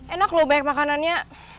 enak loh banyak makanannya